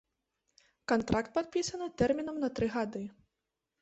Кантракт падпісаны тэрмінам на тры гады.